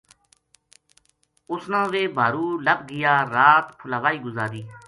اُس نا ویہ بھارو لبھ گیا رات پھُلاوائی گزاری